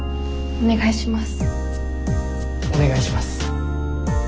お願いします。